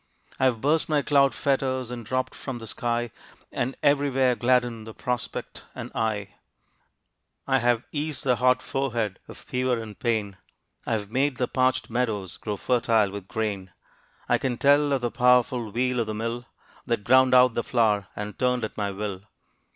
I have burst my cloud fetters, and dropped from the sky. And everywhere gladdened the prospect and eye; I have eased the hot forehead of fever and pain; I have made the parched meadows grow fertile with grain. I can tell of the powerful wheel of the mill, That ground out the flour, and turned at my will.